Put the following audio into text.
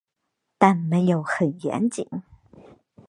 但没有很严谨